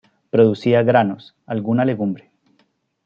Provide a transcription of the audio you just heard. Producía granos, alguna legumbre.